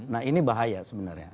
nah ini bahaya sebenarnya